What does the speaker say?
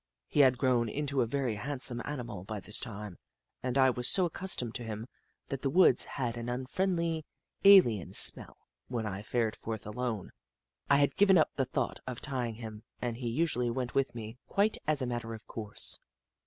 He had grown into a very handsome animal by this time, and I was so accustomed to him that the woods had an unfriendly, alien smell when I fared forth alone. I had given up the thought of tying him, and he usually went with me, quite as a matter of course.